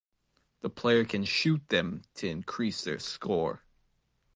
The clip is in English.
The player can shoot them to increase their score.